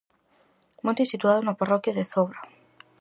Monte situado na parroquia de Zobra.